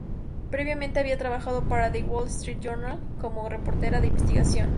Previamente había trabajado para "The Wall Street Journal" como reportera de investigación.